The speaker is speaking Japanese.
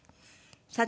さて。